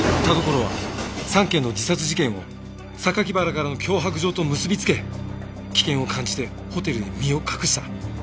田所は３件の自殺事件を原からの脅迫状と結び付け危険を感じてホテルへ身を隠した。